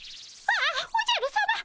ああおじゃるさま。